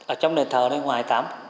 ở trong đền thờ này ngoài tám